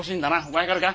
分かるか？